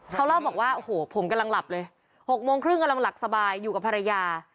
เขาเล่าบอกว่าโอ้โหผมกำลังหลับเลย๖โมงครึ่งกำลังหลับสบายอยู่กับภรรยา